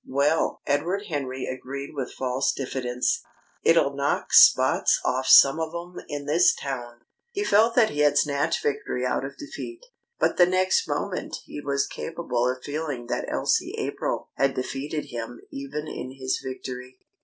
"Well," Edward Henry agreed with false diffidence, "it'll knock spots off some of 'em in this town!" He felt that he had snatched victory out of defeat. But the next moment he was capable of feeling that Elsie April had defeated him even in his victory.